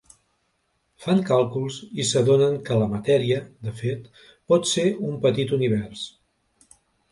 Fan càlculs i s'adonen que la matèria, de fet, pot ser un petit univers.